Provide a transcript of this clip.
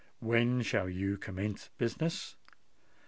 When shall you commence business?"